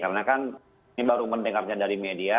karena kan ini baru mendengarnya dari media